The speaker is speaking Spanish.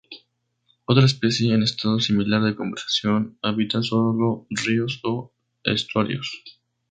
Otras especies en estado similar de conservación habitan sólo ríos o estuarios.